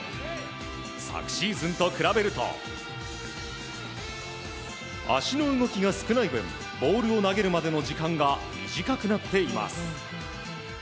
昨シーズンと比べると足の動きが少ない分ボールを投げるまでの時間が短くなっています。